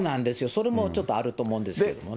それもちょっとあると思うんですけどね。